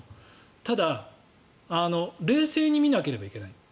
ただ冷静に見なければいけない。